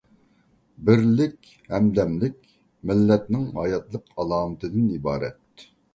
بىرلىك، ھەمدەملىك — مىللەتنىڭ ھاياتلىق ئالامىتىدىن ئىبارەت.